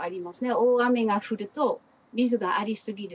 大雨が降ると水がありすぎる。